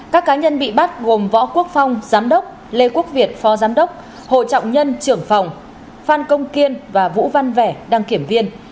các cá nhân bị bắt gồm võ quốc phong giám đốc lê quốc việt phó giám đốc hồ trọng nhân trưởng phòng phan công kiên và vũ văn vẻ đăng kiểm viên